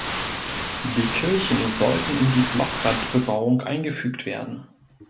Die Kirchen sollten in die Blockrandbebauung eingefügt werden.